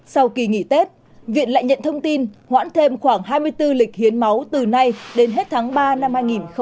sau kỳ nghỉ tết viện lại nhận thông tin hoãn thêm khoảng hai mươi bốn lịch hiến máu từ nay đến hết tháng ba năm hai nghìn hai mươi